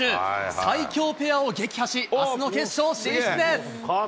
最強ペアを撃破し、あすの決勝進出です。